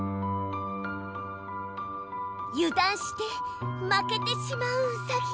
油断して負けてしまううさぎ。